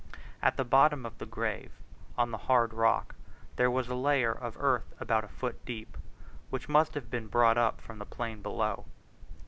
At the bottom of the grave on the hard rock there was a layer of earth about a foot deep, which must have been brought up from the plain below.